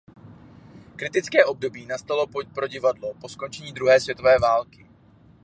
Kritické období nastalo pro divadlo po skončení druhé světové války.